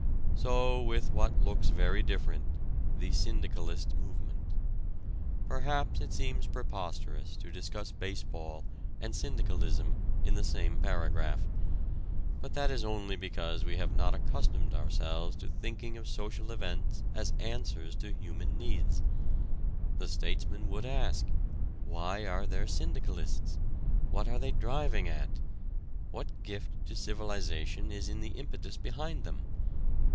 So with what looks very different the "syndicalist movement." Perhaps it seems preposterous to discuss baseball and syndicalism in the same paragraph. But that is only because we have not accustomed ourselves to thinking of social events as answers to human needs. The statesman would ask, Why are there syndicalists? What are they driving at? What gift to civilization is in the impetus behind them?